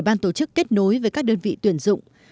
ban tổ chức kết nối với các đơn vị tuyển dụng